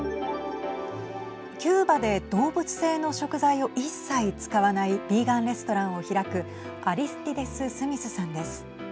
キューバで動物性の食材を一切使わないビーガンレストランを開くアリスティデス・スミスさんです。